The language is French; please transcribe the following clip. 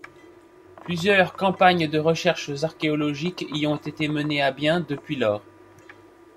Plusieurs campagnes de recherches archéologiques y ont été menées à bien depuis lors.